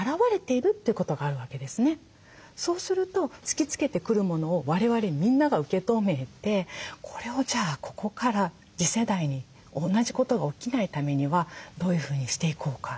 そうすると突きつけてくるものを我々みんなが受け止めてこれをじゃあここから次世代に同じことが起きないためにはどういうふうにしていこうか。